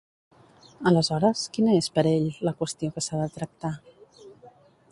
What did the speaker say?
Aleshores, quina és per ell la qüestió que s'ha de tractar?